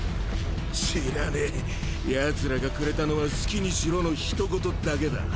知らね奴らがくれたのは「好きにしろ」の一言だけだ。